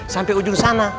sampai ujung sana